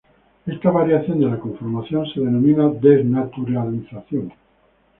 Esta variación de la conformación se denomina desnaturalización.